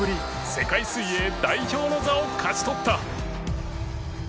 世界水泳代表の座を勝ち取った